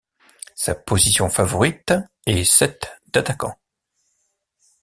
Sa position favorite est cette d’attaquant.